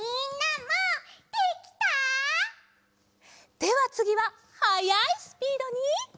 ではつぎははやいスピードに。